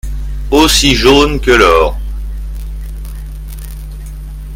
Aussi jaune que l’or.